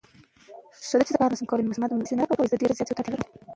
اقتصاد د اسعارو او مالي سیاستونو مطالعه ده.